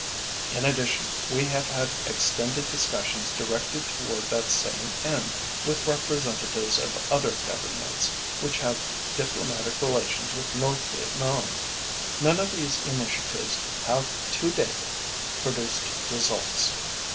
In addition, we have had extended discussions directed toward that same end with representatives of other governments which have diplomatic relations with North Vietnam. None of these initiatives have to date produced results.